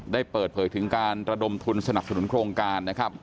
ได้เปิดเผยถึงการระดมทุนสนับสนุนโครงการนะครับ